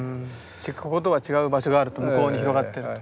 じゃこことは違う場所があると向こうに広がってると。